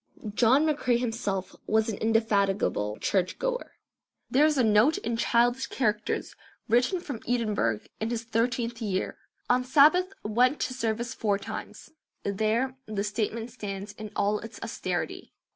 John McCrae himself was an indefatigable church goer. There is a note in childish characters written from Edinburgh in his thirteenth year, "On Sabbath went to service four times." There the statement stands in all its austerity.